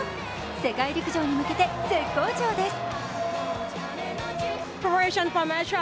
世界陸上に向けて、絶好調です。